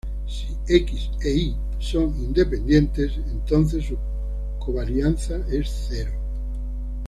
Si "X" e "Y" son independientes, entonces su covarianza es cero.